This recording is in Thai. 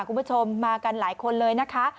คุณผู้ชมมากันหลายคนเลยนะคะ